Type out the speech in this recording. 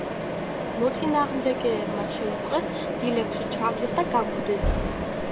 მოწინააღმდეგეებმა შეიპყრეს, დილეგში ჩააგდეს და გაგუდეს.